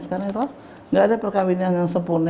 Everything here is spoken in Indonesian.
sekarang kalo ga ada perkawinan yang sempurna